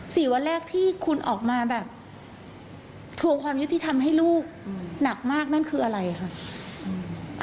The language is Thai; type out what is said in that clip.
สี่วันแรกที่คุณออกมาแบบทวงความยุติธรรมให้ลูกหนักมากนั่นคืออะไรค่ะ